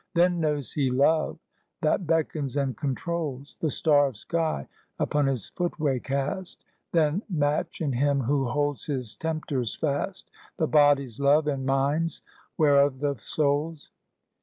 Then knows he Love, that beckons and controls; The star of sky upon his footway cast; Then match in him who holds his tempters fast, The body's love and mind's, whereof the soul's.